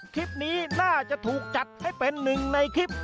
คลิปนี้น่าจะถูกจัดให้เป็นหนึ่งในคลิป